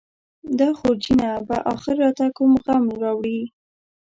دا خورجینه به اخر راته کوم غم راوړي.